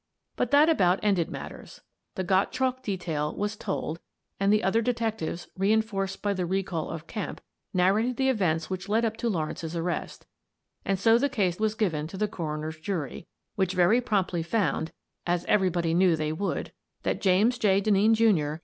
But that about ended matters. The Gottchalk detail was told and the other detectives, reinforced by the recall of Kemp, narrated the events which led up to Lawrence's arrest, and so the case was given to the coroner's jury, which very promptly found — as everybody knew they would — that James J. Denneen, Jr.